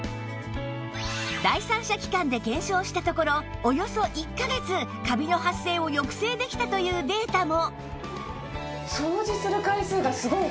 第三者機関で検証したところおよそ１カ月カビの発生を抑制できたというデータも